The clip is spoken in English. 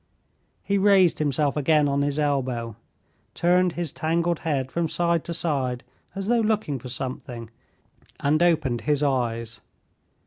He raised himself again on his elbow, turned his tangled head from side to side as though looking for something, and opened his eyes.